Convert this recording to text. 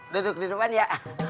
duduk di depan ya